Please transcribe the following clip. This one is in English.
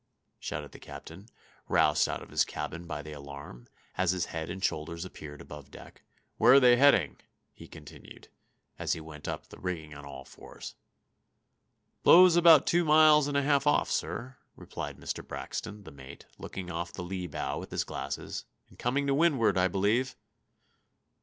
shouted the captain, roused out of his cabin by the alarm, as his head and shoulders appeared above deck. "Where are they heading?" he continued, as he went up the rigging on all fours. "Blows about two miles and a half off, sir," replied Mr. Braxton, the mate, looking off the lee bow with his glasses, "and coming to windward, I believe."